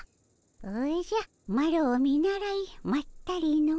おじゃマロを見習いまったりの。